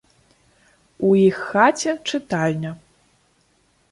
У іх хаце чытальня.